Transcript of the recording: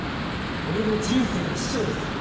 俺の人生の師匠です！